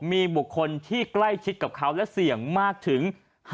มีบุคคลที่ใกล้ชิดกับเขาและเสี่ยงมากถึง